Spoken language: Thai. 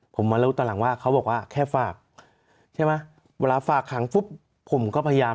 ผมมารู้ตอนหลังว่าเขาบอกว่าแค่ฝากใช่ไหมเวลาฝากขังปุ๊บผมก็พยายาม